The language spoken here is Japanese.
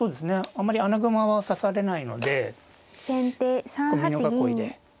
あんまり穴熊は指されないので美濃囲いで。